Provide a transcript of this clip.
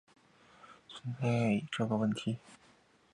车载火焰喷射系统同样存在这一问题。